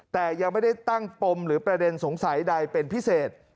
แต่ยังไม่ได้ตั้งปมหรือประเด็นสงสัยใดเป็นพิเศษ